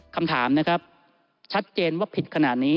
คำถามนะครับชัดเจนว่าผิดขนาดนี้